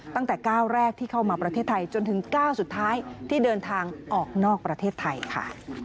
ตั้งแต่ก้าวแรกที่เข้ามาประเทศไทยจนถึงก้าวสุดท้ายที่เดินทางออกนอกประเทศไทยค่ะ